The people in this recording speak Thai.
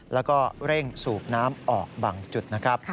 แล้วก็เร่งสูบน้ำออกบางจุดนะครับ